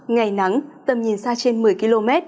ngày nắng tầm nhìn xa trên một mươi km